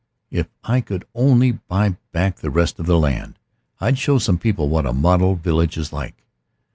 If I could only buy back the rest of the land, I'd show some people what a model village is like.